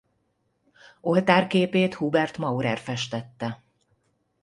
Oltárképét Hubert Maurer festette.